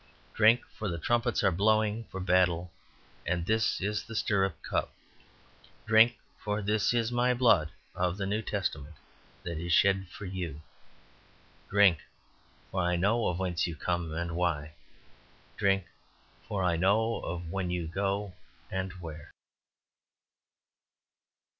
Drink, for the trumpets are blowing for battle and this is the stirrup cup. Drink, for this my blood of the new testament that is shed for you. Drink, for I know of whence you come and why. Drink, for I know of when you go and where."